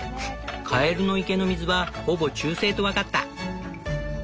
カエルの池の水はほぼ中性と分かった。